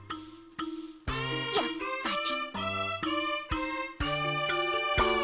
やっぱり。